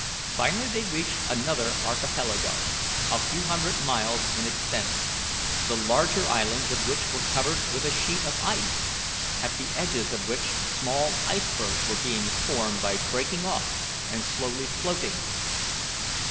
Finally they reached another archipelago a few hundred miles in extent, the larger islands of which were covered with a sheet of ice, at the edges of which small icebergs were being formed by breaking off and slowly floating.